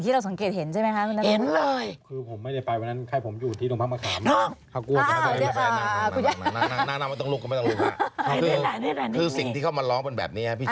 ไปถ่ายคลิป